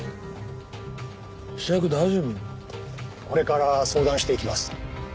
これから相談していきます。